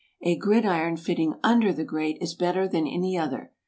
A gridiron fitting under the grate is better than any other.